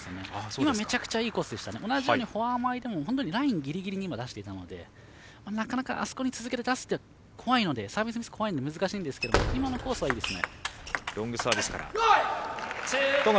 今、めちゃくちゃいいコースでした、フォア前本当にラインギリギリに今、出していたのでなかなかあそこに続けて出すってサービスミス怖いので難しいですけど今のコースいいですね。